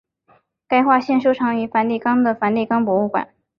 该画现收藏于梵蒂冈的梵蒂冈博物馆。